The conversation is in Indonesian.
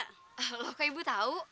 loh kak ibu tau